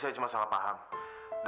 aku mau berhenti